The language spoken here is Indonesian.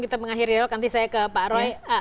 kita mengakhiri dialog nanti saya ke pak roy